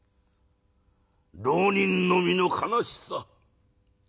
浪人の身の悲しさ。